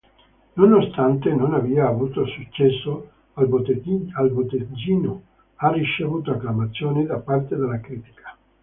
Nonostante non abbia avuto successo al botteghino, ha ricevuto acclamazioni da parte della critica.